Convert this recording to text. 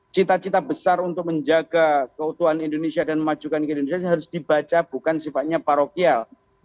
cita cita besar untuk menjaga keutuhan indonesia dan memajukan ke indonesia harus dibaca bukan sifatnya parokial